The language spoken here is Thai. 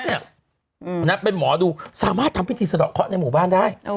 เป็นหมอดูสามารถทำพิธีสะดอกเคาะในหมู่บ้านได้